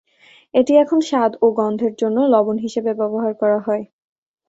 এটি এখন স্বাদ ও গন্ধের জন্য লবণ হিসেবে ব্যবহার করা হয়।